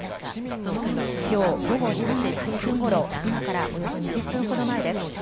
きょう午後３時８分ごろ、今からおよそ２０分ほど前です。